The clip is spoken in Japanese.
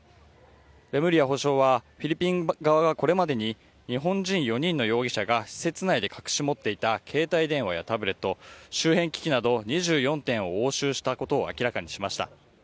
レムリヤ法相はフィリピン側がこれまでに日本人４人の容疑者が施設内で隠し持っていた携帯電話やタブレット周辺機器など２４点を押収したことを明らかにしました。